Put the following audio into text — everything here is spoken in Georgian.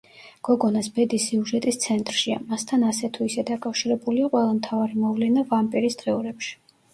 გოგონას ბედი სიუჟეტის ცენტრშია, მასთან ასე თუ ისე დაკავშირებულია ყველა მთავარი მოვლენა ვამპირის დღიურებში.